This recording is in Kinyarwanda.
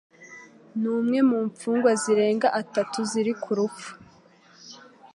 ni umwe mu mfungwa zirenga atatu ziri ku rupfu